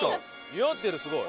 似合ってるすごい。